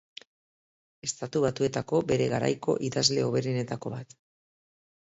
Estatu Batuetako bere garaiko idazle hoberenetako bat.